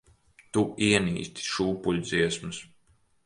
Tu ienīsti šūpuļdziesmas.